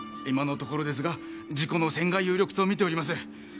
今のところですが事故の線が有力とみております。